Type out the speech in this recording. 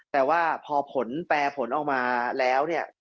แต่ว่าพอแปรผลออกมาแล้ว